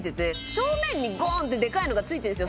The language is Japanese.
正面にごんってでかいのがついてるんですよ。